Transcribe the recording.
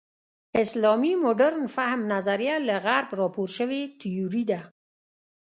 اسلامي مډرن فهم نظریه له غرب راپور شوې تیوري ده.